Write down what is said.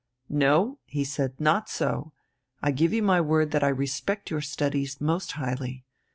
"No," he said, "not so! I give you my word that I respect your studies most highly.